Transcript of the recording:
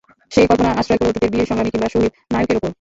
সেই কল্পনা আশ্রয় করে অতীতের বীর সংগ্রামী কিংবা শহীদ নায়কের ওপর।